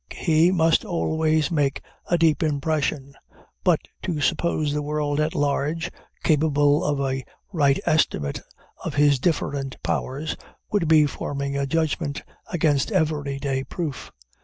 He must always make a deep impression; but to suppose the world at large capable of a right estimate of his different powers, would be forming a judgment against every day proof.